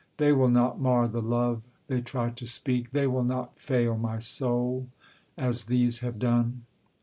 They will not mar the love they try to speak, They will not fail my soul, as these have done!